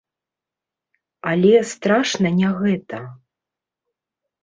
Але страшна не гэта.